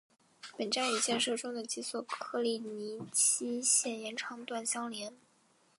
本站与建设中的及索科利尼基线延长段相连。